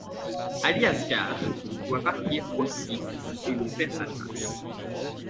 Ali Asgar doit partir aussi et l'on perd sa trace.